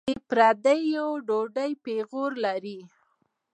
د پردیو ډوډۍ پېغور لري.